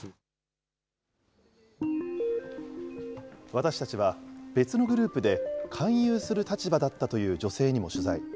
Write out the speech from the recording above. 私たちは別のグループで、勧誘する立場だったという女性にも取材。